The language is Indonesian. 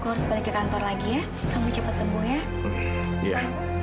patrosta tak akan sampai sudah bagus pas eigennya